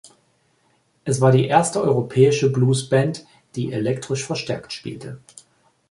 Es war die erste europäische Bluesband, die elektrisch verstärkt spielte.